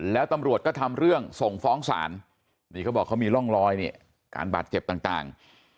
แล้วตำรวจก็ทำเรื่องส่งฟ้องศาลนี่เขาบอกเขามีร่องรอยนี่การบาดเจ็บต่าง